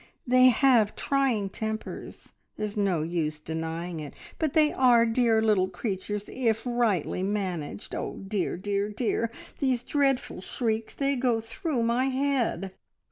They have trying tempers, there is no use denying it, but they are dear little creatures if rightly managed. Oh dear, dear, dear! these dreadful shrieks! They go through my head."